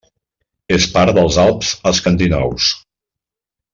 És part dels Alps Escandinaus.